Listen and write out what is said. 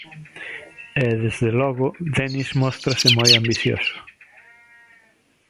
E, desde logo, Denis móstrase moi ambicioso.